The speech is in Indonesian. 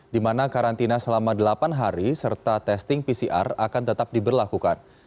di mana karantina selama delapan hari serta testing pcr akan tetap diberlakukan